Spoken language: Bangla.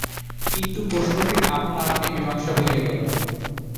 কিন্তু প্রশ্নটির আপনা-আপনি মীমাংসা হইয়া গেল।